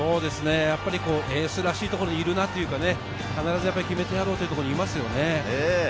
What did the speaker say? エースらしいところにいるなというか、必ず決めてやろうというところにいますよね。